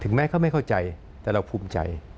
แม้เขาไม่เข้าใจแต่เราภูมิใจ